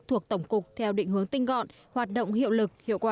thuộc tổng cục theo định hướng tinh gọn hoạt động hiệu lực hiệu quả